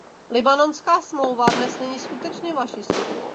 Lisabonská smlouva dnes není skutečně vaší smlouvou.